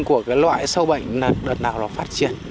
của cái loại sâu bệnh là đợt nào nó phát triển